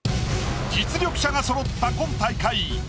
実力者がそろった今大会。